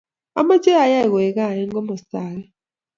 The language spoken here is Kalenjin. Amache ayay koek gaa eng komosta age